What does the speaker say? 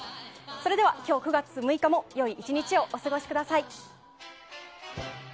それでは今日９月６日も良い１日をお過ごしください。